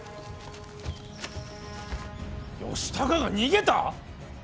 義高が逃げた！？